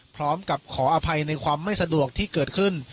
พร้อมกับขออภัยในความไม่สะดวกที่เกิดขึ้น